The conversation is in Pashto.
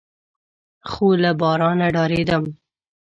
خو له بارانه ډارېدم.